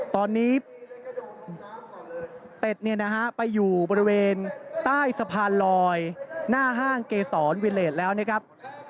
ตอนนี้เป็ดเนี่ยนะฮะไปอยู่บริเวณใต้สะพานลอยหน้าห้างเกษรวิเลสแล้วนะครับ